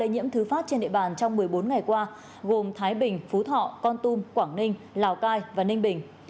các tỉnh thành phố đã có ca nhiễm thứ phát trên địa bàn trong một mươi bốn ngày qua gồm thái bình phú thọ con tum quảng ninh lào cai và ninh bình